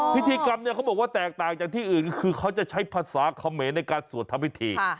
พิธีกรรมเนี่ยเขาบอกว่าแตกต่างจากที่อื่นก็คือเขาจะใช้ภาษาเขมรในการสวดทำพิธี